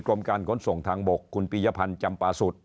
กรมการขนส่งทางบกคุณปียพันธ์จำปาสุทธิ